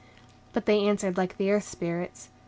But they answered like the Earth Spirits.